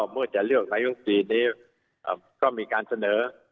เมื่อจะเลือกนายกครับปุ่มจะมีการเสนอ